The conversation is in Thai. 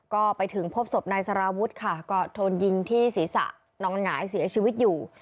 ก็ไปถึงพบศพนายสารวุฒิค่ะก็โดนยิงที่ศีรษะนอนหงายเสียชีวิตอยู่